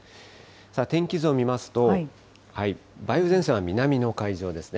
さあ、天気図を見ますと、梅雨前線は南の海上ですね。